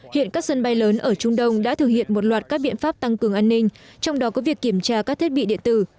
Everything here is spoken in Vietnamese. hiện các sân bay lớn ở trung đông đã thực hiện một loạt các biện pháp tăng cường an ninh trong đó có việc kiểm tra các thiết bị điện tử